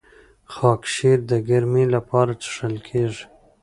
خاکشیر د ګرمۍ لپاره څښل کیږي.